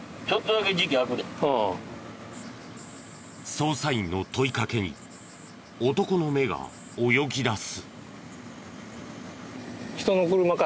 捜査員の問いかけに男の目が泳ぎだす。